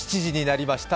７時になりました。